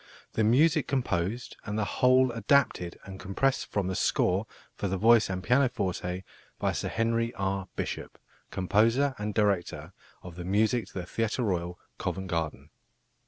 The music composed and the whole adapted and compressed from the score for the voice and pianoforte by Sir Henry R. Bishop, Composer and Director of the Music to the Theatre Royal, Covent Garden."